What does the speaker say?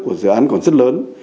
của dự án còn rất lớn